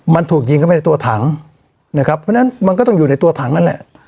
มันถูกยิงเข้าไปในตัวถังนะครับเพราะฉะนั้นมันก็ต้องอยู่ในตัวถังนั่นแหละ